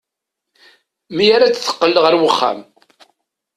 Mi ara d-teqqel ɣer uxxam.